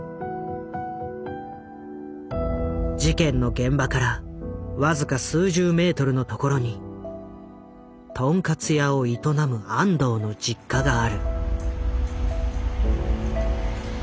事件の現場から僅か数十メートルの所にとんかつ屋を営む安藤の実家がある。